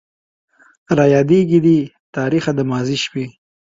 رايادېږي دې تاريخه د ماضي شپې